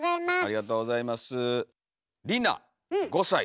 ありがとうございます。